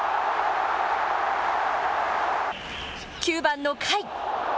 ９番の甲斐。